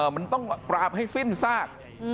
มันต้องปราบให้สิ้นซาก